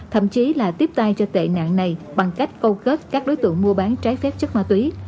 thậm chí là tiếp tay cho tệ nạn này bằng cách câu kết các đối tượng mua bán trái phép chất ma túy